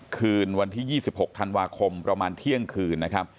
คืนวันที่๒๖ธันวาคมประมาณเที่ยงคืนนะครับ